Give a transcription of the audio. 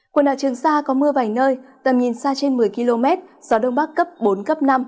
quần đảo trường sa có mưa vài nơi tầm nhìn xa trên một mươi km gió đông bắc cấp bốn cấp năm